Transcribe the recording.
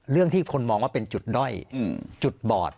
เรื่องที่คนมองว่าเป็นจุดด้อยจุดบอด